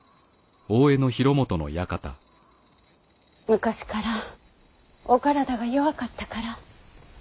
昔からお体が弱かったから。